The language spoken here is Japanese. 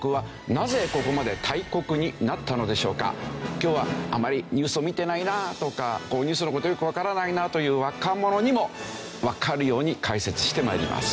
今日は「あまりニュースを見てないな」とか「ニュースの事よくわからないな」という若者にもわかるように解説して参ります。